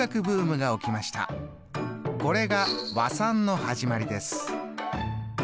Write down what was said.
これが和算の始まりです。